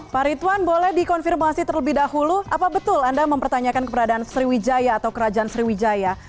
pak ritwan boleh dikonfirmasi terlebih dahulu apa betul anda mempertanyakan keberadaan sriwijaya atau kerajaan sriwijaya